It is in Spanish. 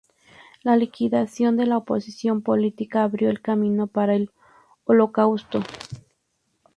La liquidación de la oposición política abrió el camino para el Holocausto.